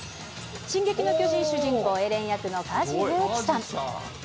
進撃の巨人主人公、エレン役の梶裕貴さん。